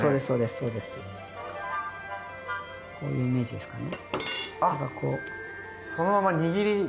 そういうイメージなんですね。